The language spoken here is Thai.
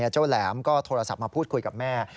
แหลมก็โทรศัพท์มาพูดคุยกับแม่